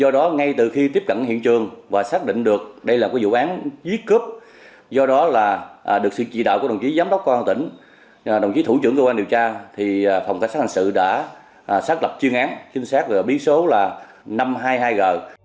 điều án giết cướp do đó là được sự trị đạo của đồng chí giám đốc quan tỉnh đồng chí thủ trưởng cơ quan điều tra thì phòng cảnh sát hành sự đã xác lập chuyên án chính xác biến số là năm trăm hai mươi hai g